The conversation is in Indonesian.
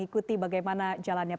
jadi inilah jejaknya